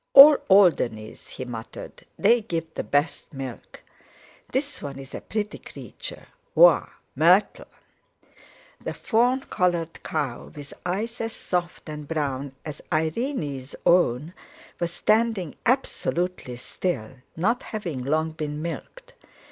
"All Alderneys," he muttered; "they give the best milk. This one's a pretty creature. Woa, Myrtle!" The fawn coloured cow, with eyes as soft and brown as Irene's own, was standing absolutely still, not having long been milked.